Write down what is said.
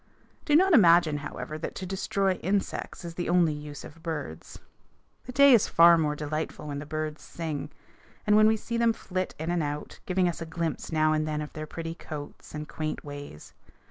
Do not imagine, however, that to destroy insects is the only use of birds. The day is far more delightful when the birds sing, and when we see them flit in and out, giving us a glimpse now and then of their pretty coats and quaint ways.